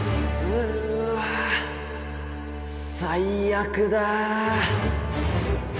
うわっ最悪だ！